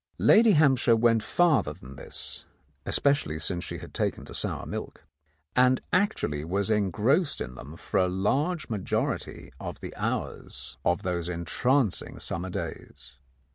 Lady Hampshire went farther than this (especially since she had taken to sour milk), and actually was engrossed in them for a large majority of the hours S The Countess of Lowndes Square of those entrancing summer days.